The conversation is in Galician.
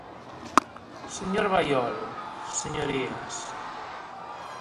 Señor Baiolo, señorías.